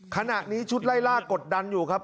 ขณะนี้ชุดไล่ล่ากดดันอยู่ครับ